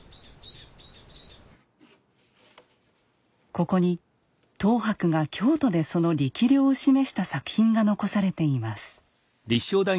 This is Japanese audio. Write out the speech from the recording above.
ここに等伯が京都でその力量を示した作品が残されています。